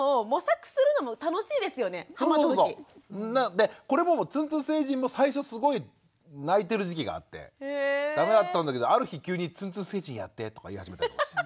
でこれもつんつん星人も最初すごい泣いてる時期があってダメだったんだけどある日急に「つんつん星人やって」とか言い始めたんですよ。